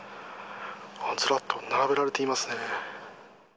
ずらっと並べられていますね。